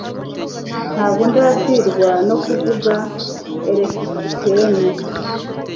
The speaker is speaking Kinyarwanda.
Ntabwo ndambirwa no kuvuga. (erikspen)